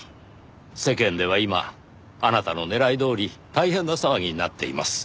世間では今あなたの狙いどおり大変な騒ぎになっています。